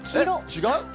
違う？